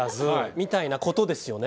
みたいなことですよね。